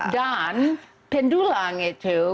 dan pendulang itu